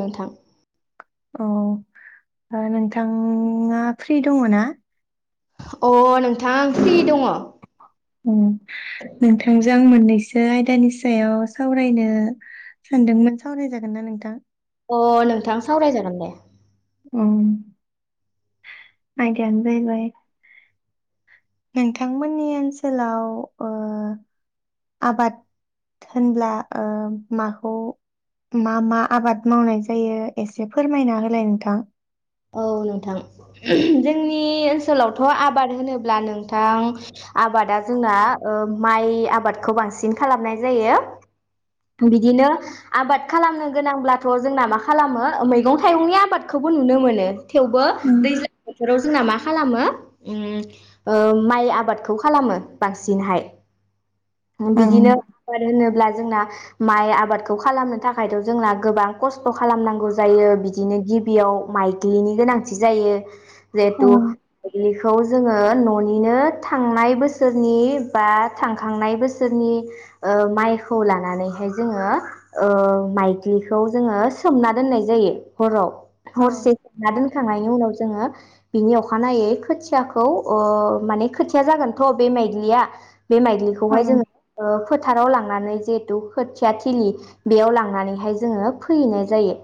नोंथां। औ ओ नोंथां आ फ्रि दङ ना? अ नोंथां फ्रि दङ। उम नोंथांजों मोननैसो सो आयदानि सायाव सावरायनो सानदोंमोन सावरायजागोन ना नोंथां? अ नोंथां सावरायजागोन दे। ओ आयदाया आयदायानो जाहैबाय नोंथांमोननि ओनसोलाव ओ आबाद होनब्ला ओ माखौ मा मा आबाद मावनाय जायो एसे फोरमायना होलाय नोंथां। औ नोंथां जोंनि ओनसोलावथ' आबाद होनोब्ला नोंथां आबादा जोंना ओ माइ आबादखौ बांसिन खालामनाय जायो बिदिनो आबाद खालामनो गोनांब्लाथ' जोंना मा खालामो मैगं थाइगंनि आबादखौबो नुनो मोनो। ए। थेवबो दैज्लां बोथोराव जोंना मा खालामो ओम माइ आबादखौ खालामो बांसिनहाय। औ बिदिनो आबाद होनोब्ला जोंना माइ आबादखौ खालामनो थाखायथ' जोंना गोबां खस्थ' खालामनांगौ जायो बिदिनो गिबियाव माइ दैनि गोनांथि जायो। औ जेतु रि खौ जोङो न'निनो थांनाय बोसोरनि बा थांखांनाय बोसोरनि ओ माइखौ लानानैहाय जोङो ओ माइग्लिखौ जोङो सोमना दोननाय जायो हराव। औ। ना दोनखांनायनि उनाव जोङो बिनि अखानायै खोथियाखौ ओ माने खोथिया जागोनथ' बे माइद्लिया। बे औ माइग्लिखौहाय जों ओ फोथाराव लां माने जेतु खोथिया थिलि बेयाव लांनानैहाय जोङो फोयैयैनाय जायो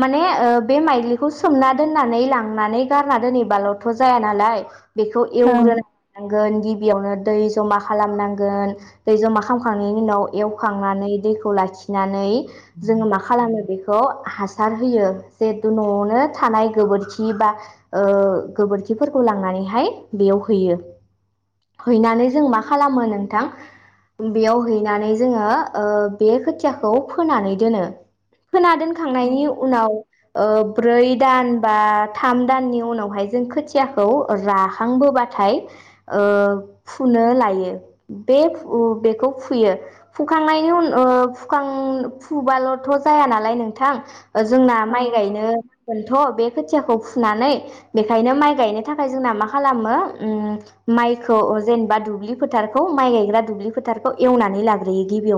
माने ओ बे माइग्लिखौ सो सोमना दोननानै लांनानै गारना दोनहैबाल'थ' जाया नालाय बेखौ एवग्रोनो नांगोन गिबियावनो। दै जमा खालामनांगोन दै जमा खामखांनायनि उनाव एवखांनानै दैखौ लाखि नानै जोङो मा खालामो बेखौ? हासार होयो जिहेतु न'आवनो थानाय गोबोरखि बा ओ गोबोरखिफोरखौ लांनानैहाय बेयाव हैयो हैनानै जों मा खालामो नोंथां बेयाव हैनानै जोङो ओ बे खोथियाखौ फोनानै दोनो। फोना दोनखांनायनि उनाव बै। दान बा थाम दाननि उनावहाय थ' बे खोथियाखौ फुनानै बेखायनो माइ गायनो थाखाय जोंना मा खालामो ओम माइखौ जेनेबा दुब्लि फोथारखौ माइ गायग्रा दुब्लि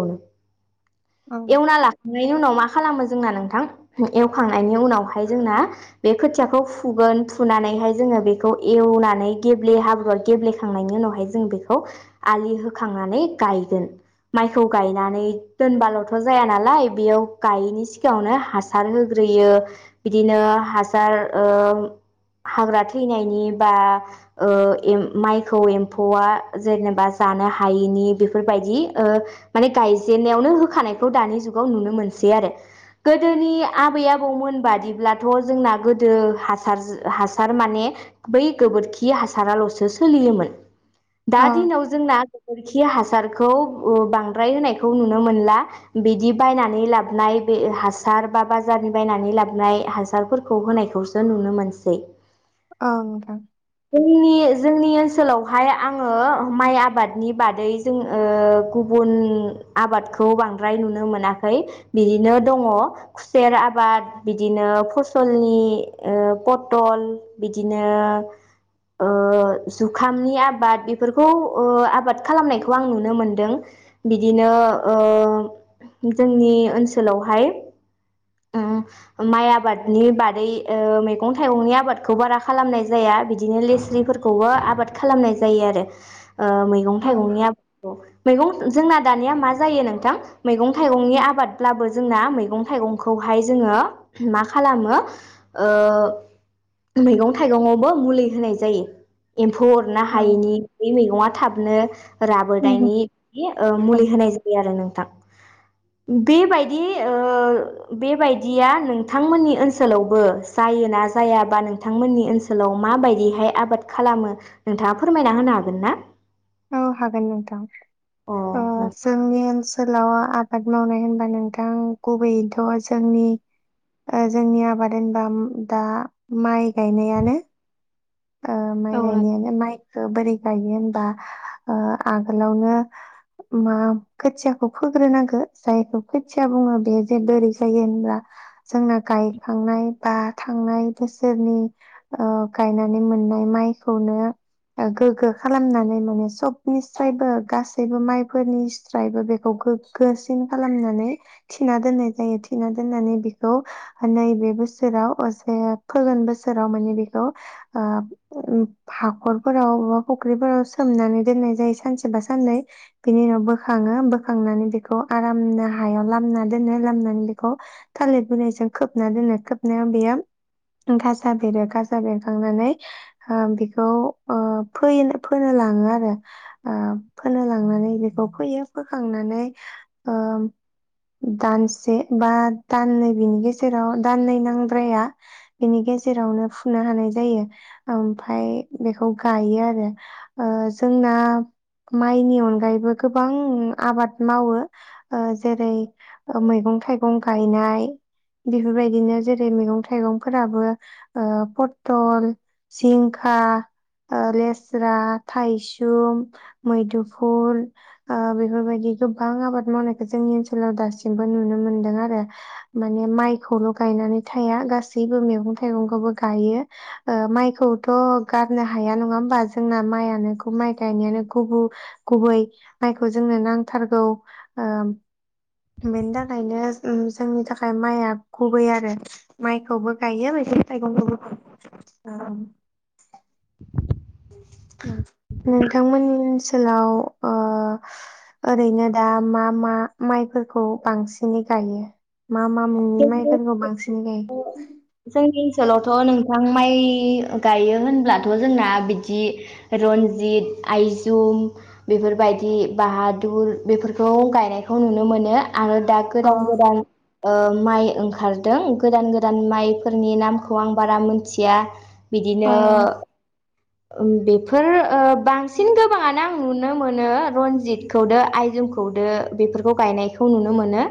एवना लाखांनायनि उनाव मा खालामो जोंना नोंथां एवखांनायनि उनावहाय। जोंना बे खोथियाखौ फुगोन फुनानैहाय जोङो बेखौ एवनानै गेब्ले हाब्रुआ गेब्लेखांनायनि उनावहाय जों बेखौ आलि होखांनानै गायगोन माइखौ गायनानै दोनबाल'थ' जाया नालाय बेयाव गायैनि सिगाङावनो हासार होग्रोयो। बिदिनो हासार ओ हाग्रा थैनायनि बा माइखौ एम्फौआ जेनेबा जानो हायैनि बेफोरबायदि ओ माने गायजेन्नायावनो होखानायखौ दानि जुगाव नुनो मोनसै आरो गोदोनि आबै आबौमोन बादि अब्लाथ' जोंना गोदो हासार हासार माने बै गोबोरखि हासाराल'सो सोलियोमोन। दा दिनाव जोंना गोबोरखि हासारखौ ओ बांद्राय होनायखौ नुनो मोनला बिदि बायनानै लाबनाय बे हासार बा बाजारनि बायनानै लाबनाय हासारफोरखौ होनायखौसो नुनो मोनसै। ओ दां जोंनि जोंनि ओनसोलावहाय आङो माइ आबादनि बादै ओ जों गुबुन आबादखौ बांद्राय नुनो मोनाखै बिदिनो दङ खुसेर आबाद बिदि बिदिनो फसलनि पटल बिदिनो ओ जुखामनि आबाद बेफोरखौ आबाद खालामनायखौ आं नुनो मोनदों। बिदिनो ओ जोंनि ओनसोलावहाय ओम माइ आबादनि बादै ओ मैगं थाइगंनि आबादखौ बारा खालामनाय जाया बिदिनो लेस्रिफोरखौबो आबाद खालामनाय जायो आरो ओ मैगं थाइगंनि आबाद मैगं जोंना दानिया मा जायो नोंथां मैगं थाइगंनि आबादब्लाबो जोंना मैगं थाइगंखौहाय जोङो मा खालामो ओ मैगं थाइगंआवबो मुलि होनाय जायो। एम्फौ अरनो औ हायैनि बे मैगङा थाब नो औ राबोनायनि दि औ मुलि होनाय जायो आरो नोंथां बेबायदि ओ बेबायदिया नों नोंथांमोननि ओनसोलावबो जायो ना जाया बा नोंथांमोननि ओनसोलाव माबायदिहाय आबाद खालामो नोंथाङा फोरमायना होनो हागोन ना? औ हागो नोंथां अ औ ओ नों जोंनि ओनसोल ओनसोलाव आबाद मावनाय होनबा नोंथां गुबैयैथ' जोंनि - जोंनि आबाद होनबा दा माइ गायनायानो। ओ माइ गायनायानो माइ बोरै गायो होनबा ओ आगोलावनो मा खोथियाखौ फोग्रोनांगो जायखौ खोथिया बुङो बे जे बोरै जायो होनब्ला जोंना गायखांनाय बा थांनाय बोसोरनि ओ गायनानै माने मोननाय माइखौनो गोगो खालामनानै माने सबनिस्रायबो गासैबो माइफोरनि स्रायबो बेखौ गोगोसिन खालामनानै थिना दोननाय। जायो थिना दोननानै बेखौ नैबे बोसोराव असे फोगोन बोसोराव माने बेखौ ओ उम हाखरफोराव बा फुख्रिफोराव सोमनानै दोननाय जायो सानसे बा साननै बिनि उनाव बोखाङो, बोखांनानै बेखौ आरामनो हायाव लामना दोनो। लामनानै बेखौ थालिर बिलायजों खोबना दोनो, खोबनायाव बेयो गाजा बेरो गाजा बेर बेरनानै बेखौ ओ फोयो फोनो‌ लाङो आरो फोनो लांनानै बेखौ फोयो फोखांनानै ओ दानसे बा दाननै बिनि गेजेराव दाननै नांद्राया बिनि गेजेरावनो फुनो हानाय जायो ओमफ्राय बेखौ गायो आरो ओ जोंना माइनि अनगायैबो गोबां आबाद मावो जेरै- मैगं थाइगं गायनाय, बेफोरबायदिनो जेरै मैगं थाइगंफोराबो ओ फथ फटल, जिंखा ओ लेस्रा, थायसुम, मैदुफुल ओ बेफोरबायदि गोबां आबाद मावनायखौ जोंनि ओनसोलाव दासिमबो नुनो मोनदों आरो माने माइखौल' गायनानै थाया, गासैबो मैगं थाइगंखौबो गायो। ओ माइखौथ' गारनो हाया नङा होमबा जोंना माइआनो माइ गायनायानो गुब गुबै माइखौ जोंनो नांथारगौ ओ बेनि थाखायनो जोंनि थाखाय माइआ गुबै आरो माइखौबो गायो मैगं थाइगंखौबो [inaudible] नोंथांमोननि ओनसोल ओनसोलाव ओ ओरैनो दा मा मा माइफोरखौ बांसिनै गायो। मा मा मुंनि माइ जोंनि फोरखौ बांसिन गायो? सोलावथ' नोंथां माइ गायो होनब्लाथ' जोंना बिदि रन्जित, आइजुम बेफोरबायदि बाहादुर बेफोरखौ गायनायखौ नुनो मोनो आरो दा अ गोदान गोदान ओ माइ ओंखारदों गोदान गोदान माइफोरनि नामखौ आं बारा मोनथिया अ बिदिनो ओ बेफोर ओ बांसिन गोबाङानो आं नुनो मोनो रनजित खौदो आइजुम खौदो बेफोरखौ गायनायखौ नुनो मोनो।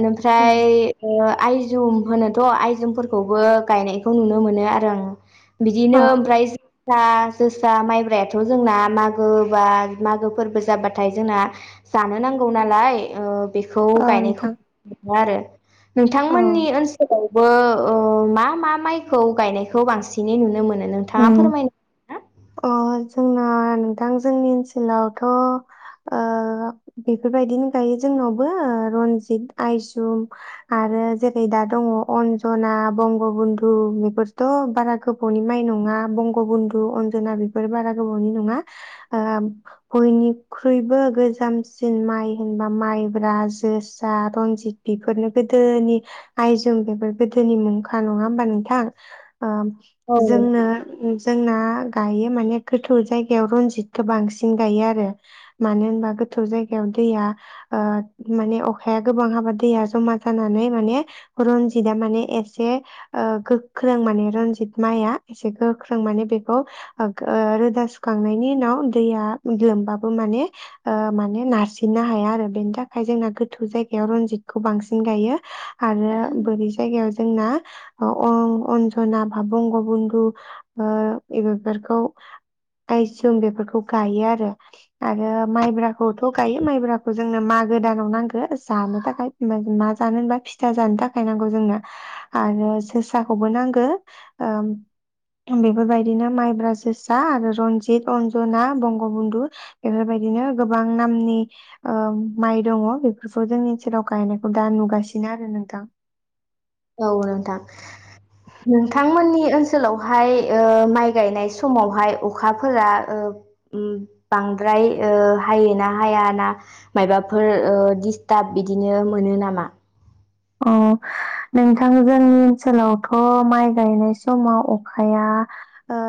ओनिफ्राय उम ऐ ओ आइजुम होनोथ' आइजुमफोरखौबो गायनायखौ नुनो मोनो आरो आं बिदिनो अ ओमफ्राय फिथा जोसा, माइब्रायाथ' जोंना मागो बा मागो फोरबो जाबाथाय जोंना जानो नांगौ नालाय ओ बेखौ अ गायनायखौ नोंथां नुनो मोनो आरो। अ नोंथांमोननि ओनसोलाव बो ओ मा मा माइखौ गायनायखौ बांसिनै नुनो मोनो? नोंथाङा उम फोरमायनो [unintelligible] ना? अ जोंना नोंथां जोंनि ओनसोलावथ' ओ बेफोरबायदिनो गायो जोंनावबो रनजित आइजुम आरो जेरै दा दङ अनजना बंगबन्धु बेफोरथ' बारा गोबावनि माइ नङा बंग बन्धु अनजना बेफोर बारा गोबावनि नङा ओ बयनिख्रुइबो गोजामसिन माइ होनबा माइब्रा जोसा रनजित बेफोरनो गोदोनि आइजोम बेफोर गोदोनि मुंखा नङा होमबा नोंथां? ओम औ जोंना जोंना गायो माने गोथौ जायगायाव रनजितखौ बांसिन गायो आरो मानो होनबा गोथौ जायगायाव दैया ओ माने अखाया गोबां हाबा दैया जमा जानानै माने रनजितआ माने एसे ओ गोख्रों माने रनजित माइआ एसे गोख्रों माने बेखौ रोदा सुखांनायनि उनाव दैया लोमबाबो माने ओ माने नारसिननो हाया आरो बेनि थाखाय जोंना गोथौ जायगायाव रनजितखौ बांसिन गायो आरो बोरै जायगायाव जोंना अ-अनजना बा बंग' बन्धु बेफोरखौ आइजुम बेफोरखौ गायो आरो। आरो माइब्राखौथ' गायो माइब्राखौ जोंनो मागो दानाव नांगो जानो थाखाय मा जानो होनबा फिथा जानो थाखाय नांगौ जोंनो आरो जोसाखौबो नांगो ओ बेफोरबायदिनो माइब्रा, जोसा आरो रन्जित अन्जना बंगबन्धु बेफोरबायदिनो गोबां नामनि माइ दङ बेफोरखौ जोंनि ओनसोलाव गायनायखौ दा नुगासिनो आरो नोंथां। औ नोंथां नोंथांमोननि ओनसोलावहाय ओ माइ गायनाय समावहाय अखाफोरा ओ ओम बांद्राय ओ हायो ना हायाना मायबाफोर दिस्टाब बिदिनो मोनो नामा? औ नोंथां जोंनि ओनसोलावथ' माइ गायनाय समाव अखाया ओ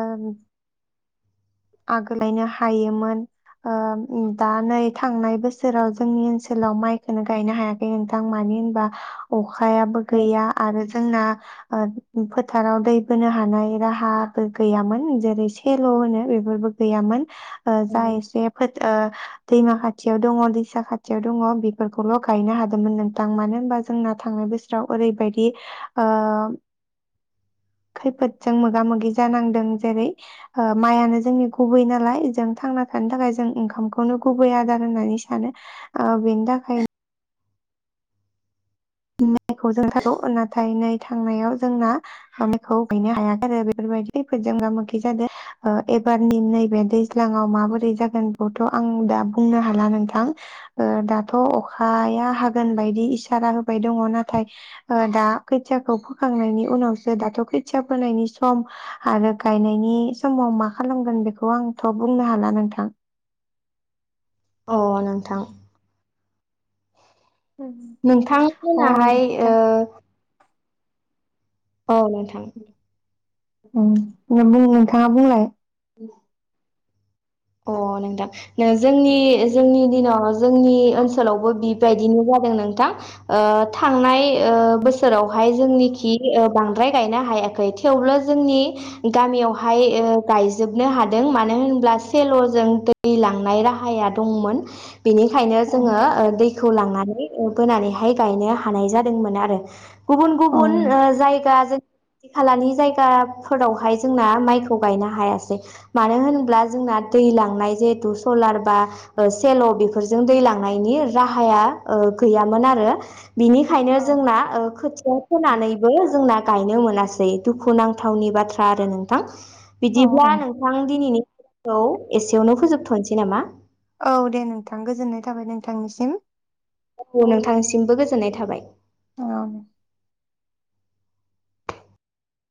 आगो लायनो हायोमोन दा नै थांनाय बोसोराव जोंनि ओनसोलाव माइखौनो गायनो हायाखै नोंथां मानो होनबा अखायाबो औ गैया आरो जोंना फोथाराव दै बोनो हानाय राहाबो गैयामोन जेरै सेल' होनो बे बो गैयामोन। जा एसे फोर ओ दैमा खाथियाव दङ दैसा खाथियाव दङ बेफोरखौल' गायनो हादोंमोन नोंथां मानो होनबा जोंना थांनाय बोसोराव ओरैबायदि ओ खैफोदजों मोगा मोगि जानांदों। जेरै माइयानो जोंनि गुबै नालाय जों थांना थानो थाखाय जों ओंखामखौनो गुबै आदार होननानै सानो ओ बेनि थाखाय माइखौ जों [unintelligible] नाथाय नै थांनायाव जोंना माइखौ गायनो हायाखै आरो बेफोरबायदि खैफोदजों मोगा मोगि जादो ओ एबारनि नैबे दैज्लांआव माबोरै जागोन बेथ' आं दा बुंनो हाला नोंथां दाथ' अखाया हागोन बायदि इसारा हो बाय दङ नाथाय दा खोथियाखौ फोखांनायनि उनावसो दाथ' खोथिया फोनायनि सम आरो गायनायनि समाव मा खालामगोन बेखौ आंथ' बुंनो हाला नोंथां। अ नोंथां। अ नोंथांमोनाहाय ओ नोंथां औ नोंथां। ओम बुं नोंथाङा बुंलाय। अ नोंथां जोंनि जोंनि दिनाव जोंनि ओनसोलावबो बिबायदिनो जादों नोंथां ओ थांनाय ओ बोसोरावहाय जोंनिखि ओ बांद्राय गायनो हायाखै थेवब्लो जोंनि गामियावहाय गायजोबनो हादों मानो होनब्ला सेल'जों दै लांनाय राहाया दंमोन बेनिखायनो औ जोंङो ओ दै खौ लांनानै बोनानैहाय गायनो हानाय जादोंमोन आरो गुबुन औ गुबुन ओ जायगा खालानि जायगाफोरावहाय जोंना माइखौ गायनो हायासै मानो होनब्ला जोंना दै लांनाय जिहेथु सलार बा सेल' बेफोरजों दै लांनायनि राहाया गैयामोन आरो बिनिखायनो जोंना खोथिया फोनानैबो जोंना गायनो मोन नासै दुखुुनांथावनि बाथ्रा आरो नोंथां औ बिदिब्ला औ नोंथां दिनैनिखौ एसेयावनो फोजोबथ'नोसै नामा औ दे नोंथां गोजोननाय थाबाय नोंथांनिसिम औ नोंथांसिमबो गोजोननाय थाबाय औ